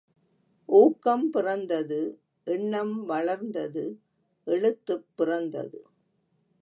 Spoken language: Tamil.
ஊக்கம் பிறந்தது எண்ணம் வளர்ந்தது எழுத்துப் பிறந்தது!